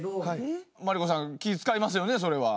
麻利子さん気ぃ遣いますよねそれは。